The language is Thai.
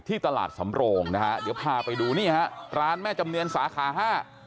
ตลาดสำโรงนะฮะเดี๋ยวพาไปดูนี่ฮะร้านแม่จำเนียนสาขาห้า